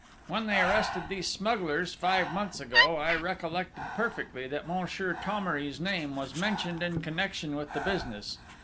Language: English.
"When they arrested these smugglers, five months ago, I recollect perfectly that Monsieur Thomery's name was mentioned in connection with the business....